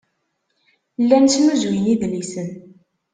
Llan snuzuyen idlisen.